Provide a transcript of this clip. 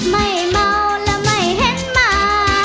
ไม่เมาและไม่เห็นหมา